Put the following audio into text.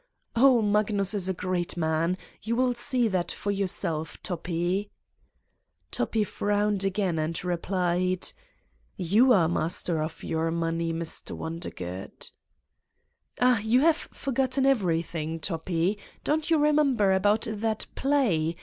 Oh, Magnus is a great man. You will see that for yourself, Toppi!" Toppi frowned again and replied: "You are master of your money, Mr. Wonder good." "Ah, you have forgotten everything, Toppi! Don't you remember about that play?